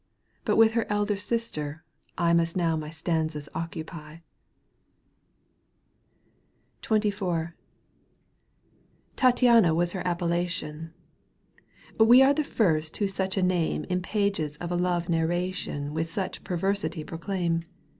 But with her elder sister I / Must now my stanzas occu^T^ ./ XXIV. Tattiana was her appellation. ^ We are the first who such a name \ In pages of a love narration With such perversity proclaim.